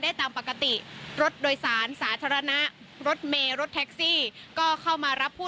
ได้ตามปกติรถโดยสารสาธารณะรถเมรถแท็กซี่ก็เข้ามารับผู้